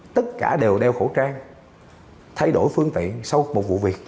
tất cả đều đeo khẩu trang thay đổi phương tiện sau một vụ việc